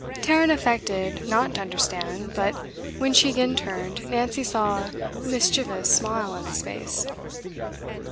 Tarrant affected not to understand; but, when she again turned, Nancy saw a mischievous smile on his face.